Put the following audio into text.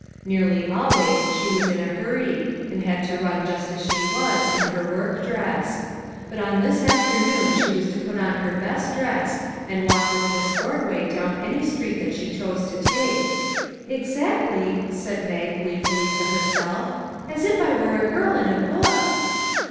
Nearly always she was in a hurry, and had to run just as she was, in her work dress. But on this afternoon she was to put on her best dress and walk with Miss Ordway down any street that she chose to take, " exactly," said Mag glee fully to herself, " as if I were a girl in a book